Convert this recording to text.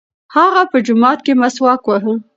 هغه په جومات کې مسواک واهه.